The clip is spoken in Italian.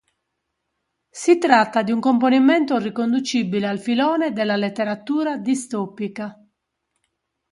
Si tratta di un componimento riconducibile al filone della letteratura distopica.